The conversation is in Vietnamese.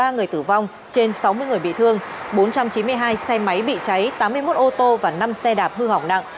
ba người tử vong trên sáu mươi người bị thương bốn trăm chín mươi hai xe máy bị cháy tám mươi một ô tô và năm xe đạp hư hỏng nặng